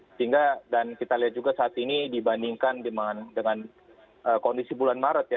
sehingga dan kita lihat juga saat ini dibandingkan dengan kondisi bulan maret ya